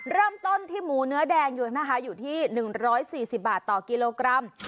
เริ่มต้นที่หมูเนื้อแดงอยู่นะคะอยู่ที่๑๔๐บาทต่อกิโลกรัม